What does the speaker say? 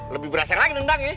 lebih berasa lagi nendang ya